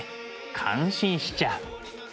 感心しちゃう。